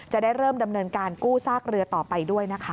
จะได้เริ่มดำเนินการกู้ซากเรือต่อไปด้วยนะคะ